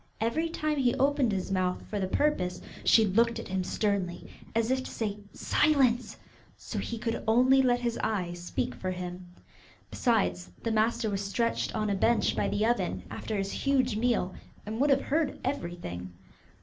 Every time he opened his mouth for the purpose she looked at him sternly, as if to say, 'Silence,' so he could only let his eyes speak for him. Besides, the master was stretched on a bench by the oven after his huge meal, and would have heard everything.